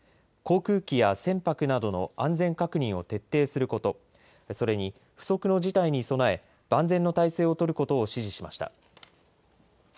航空機や船舶などの安全確認を徹底すること、それに不測の事態に備え万全の態勢を取ることを指示しました。